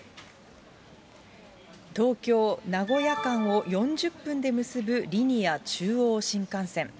東京・名古屋間を４０分で結ぶリニア中央新幹線。